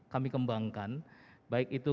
kami kembangkan baik itu